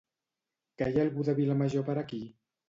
Que hi ha algú de Vilamajor per aquí ?